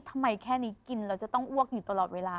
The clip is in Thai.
แค่นี้กินเราจะต้องอ้วกอยู่ตลอดเวลา